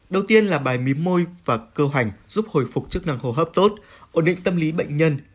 đầu tiên là bài mí môi và cơ hành giúp hồi phục chức năng hô hấp tốt ổn định tâm lý bệnh nhân